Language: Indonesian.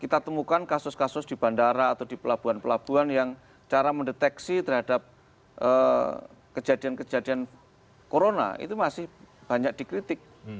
kita temukan kasus kasus di bandara atau di pelabuhan pelabuhan yang cara mendeteksi terhadap kejadian kejadian corona itu masih banyak dikritik